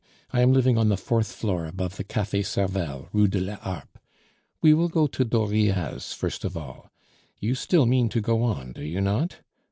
I am living on the fourth floor above the Cafe Servel, Rue de la Harpe. We will go to Dauriat's first of all. You still mean to go on, do you not?